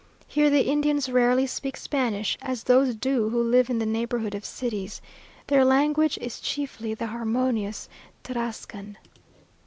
Here the Indians rarely speak Spanish, as those do who live in the neighbourhood of cities. Their language is chiefly the harmonious Tarrascan.